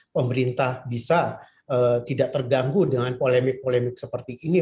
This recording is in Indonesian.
pemerintah bisa tidak terganggu dengan polemik polemik seperti ini